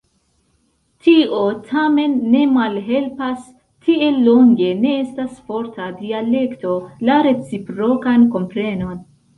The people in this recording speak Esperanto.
Tio tamen ne malhelpas, tiel longe ne estas forta dialekto, la reciprokan komprenon.